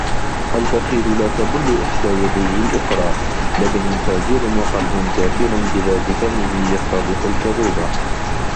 البخيل لا تَبُلُّ إحدى يديه الأخرى بدن فاجر وقلب كافر بذات فمه يفتضح الكذوب